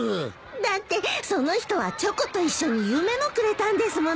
だってその人はチョコと一緒に夢もくれたんですもの。